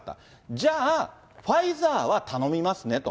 じゃあ、ファイザーは頼みますねと。